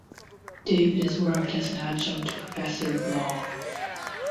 David has worked as an Adjunct Professor of Law.